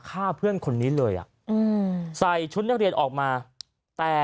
ฆ่าเพื่อนคนนี้เลยอ่ะอืมใส่ชุดนักเรียนออกมาแต่